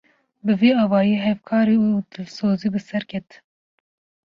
Bi vî awayî hevkarî û dilsozî bi ser ket